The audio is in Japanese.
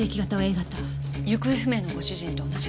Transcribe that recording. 行方不明のご主人と同じ型です。